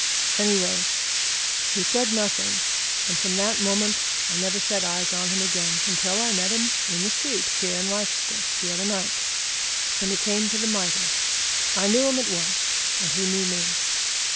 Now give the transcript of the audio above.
Anyway, he said nothing, and from that moment I never set eyes on him again until I met him in the street here in Wrychester, the other night, when he came to the Mitre. I knew him at once and he knew me.